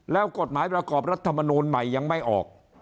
แล้วกฎหมายประกอบรัฐมนูลใหม่ยังไม่ออก